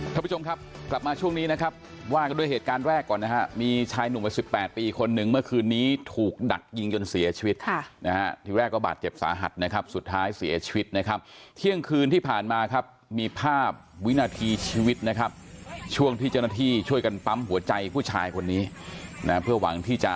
ท่านผู้ชมครับกลับมาช่วงนี้นะครับว่ากันด้วยเหตุการณ์แรกก่อนนะฮะมีชายหนุ่มวัยสิบแปดปีคนหนึ่งเมื่อคืนนี้ถูกดักยิงจนเสียชีวิตค่ะนะฮะทีแรกก็บาดเจ็บสาหัสนะครับสุดท้ายเสียชีวิตนะครับเที่ยงคืนที่ผ่านมาครับมีภาพวินาทีชีวิตนะครับช่วงที่เจ้าหน้าที่ช่วยกันปั๊มหัวใจผู้ชายคนนี้นะเพื่อหวังที่จะ